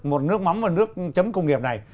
một nước mắm và nước chấm công nghiệp này